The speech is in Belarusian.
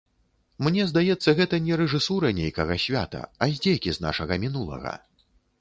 Мне здаецца, гэта не рэжысура нейкага свята, а здзекі з нашага мінулага.